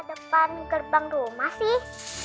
depan gerbang rumah sih